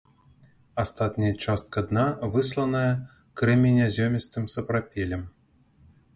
Астатняя частка дна высланая крэменязёмістым сапрапелем.